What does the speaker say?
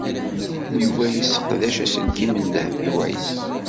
Yuba yesseqdec aselkim n Dehbiya u Ɛisiw.